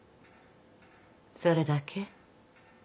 それだけ？